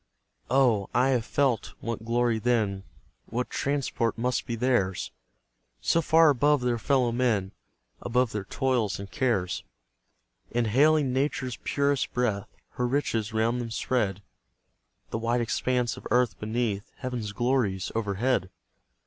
Oh, I have felt what glory then, What transport must be theirs! So far above their fellow men, Above their toils and cares; Inhaling Nature's purest breath, Her riches round them spread, The wide expanse of earth beneath, Heaven's glories overhead!